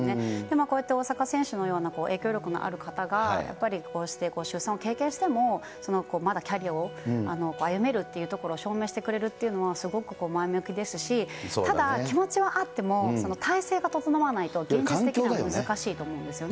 こうやって大坂選手のような影響力がある方がこうして出産を経験しても、まだキャリアを歩めるというところを証明してくれるというのはすごく前向きですし、ただ、気持ちはあっても、体制が整わないと、現実的には難しいと思うんですよね。